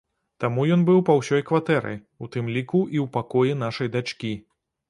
Таму ён быў па ўсёй кватэры, у тым ліку і ў пакоі нашай дачкі.